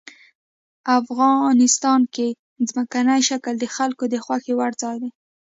افغانستان کې ځمکنی شکل د خلکو د خوښې وړ ځای دی.